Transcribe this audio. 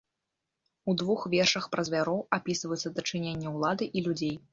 У двух вершах пра звяроў апісваюцца дачыненні ўлады і людзей.